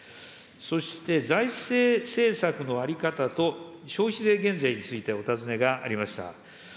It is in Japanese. そして、財政政策の在り方と消費税減税についてお尋ねがありました。